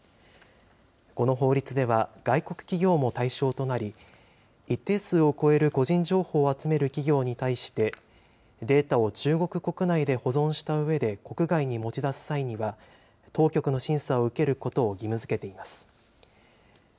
この法律では外国企業も対象となり、一定数を超える個人情報を集める企業に対して、データを中国国内で保存したうえで国外に持ち出す際には、当局の審査を受けることを義務づけています。